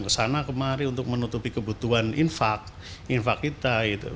saya sudah ke sana kemari untuk menutupi kebutuhan infak infak kita